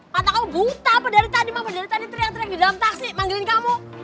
kata kamu buta apa dari tadi mama dari tadi teriak teriak di dalam taksi manggilin kamu